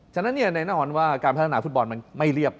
ฉะนั้นแน่นอนว่าการพัฒนาฟุตบอลมันไม่เรียบ